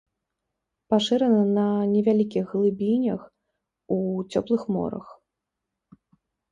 Пашырана на невялікіх глыбінях у цёплых морах.